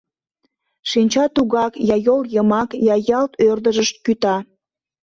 Шинча тугак я йол йымак, я ялт ӧрдыжыш кӱта.